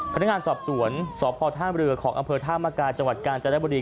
พนักงานสอบสวนสพท่ามเรือของอำเภอธามกาจังหวัดกาญจนบุรี